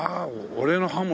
俺の「歯も」